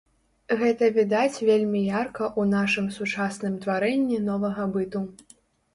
Гэта відаць вельмі ярка ў нашым сучасным тварэнні новага быту.